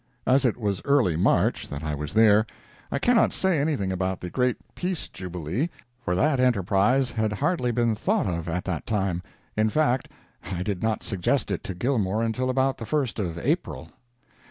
As it was early March that I was there, I cannot say anything about the great Peace Jubilee, for that enterprise had hardly been thought of at that time, in fact, I did not suggest it to Gilmore until about the first of April.